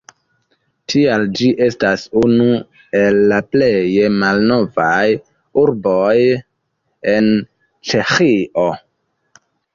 Tial ĝi estas unu el la plej malnovaj urboj en Ĉeĥio.